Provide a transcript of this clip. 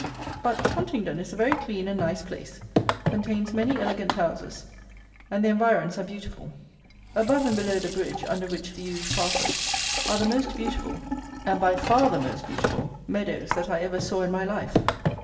But Huntingdon is a very clean and nice place, contains many elegant houses, and the environs are beautiful. Above and below the bridge, under which the Ouse passes, are the most beautiful, and by far the most beautiful, meadows that I ever saw in my life.